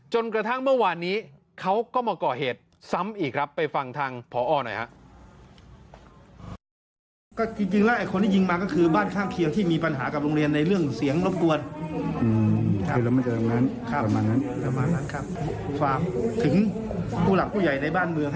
จนกระทั่งเมื่อวานนี้เขาก็มาก่อเหตุซ้ำอีกครับไปฟังทางพอหน่อยครับ